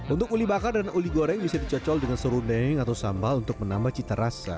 untuk uli bakar dan uli goreng bisa dicocol dengan serundeng atau sambal untuk menambah cita rasa